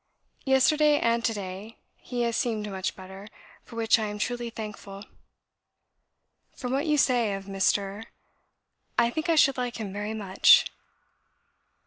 Yesterday and to day he has seemed much better, for which I am truly thankful. ... "From what you say of Mr. , I think I should like him very much.